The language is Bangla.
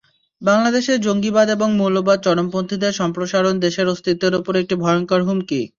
বাংলাদেশে জঙ্গিবাদ এবং মৌলবাদী চরমপন্থীদের সম্প্রসারণ দেশের অস্তিত্বের ওপর একটি ভয়ংকর হুমকি।